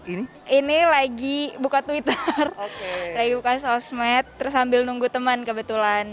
ini lagi buka twitter lagi buka sosmed terus sambil nunggu teman kebetulan